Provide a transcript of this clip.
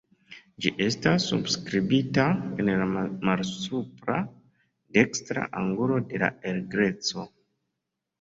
Ĝi estas subskribita en la malsupra dekstra angulo de El Greco.